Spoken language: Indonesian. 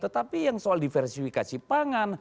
tetapi yang soal diversifikasi pangan